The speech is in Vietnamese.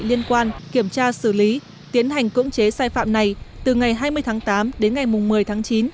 liên quan kiểm tra xử lý tiến hành cưỡng chế sai phạm này từ ngày hai mươi tháng tám đến ngày một mươi tháng chín